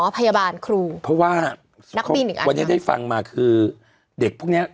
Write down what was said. พยาบาลคลูปเพราะว่านักปีอยู่แล้วได้ฟังมาคือเด็กพวกเนี้ย